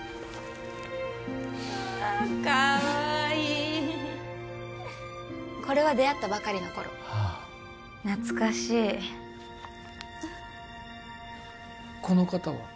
うわっかわいいこれは出会ったばかりの頃ああ懐かしいこの方は？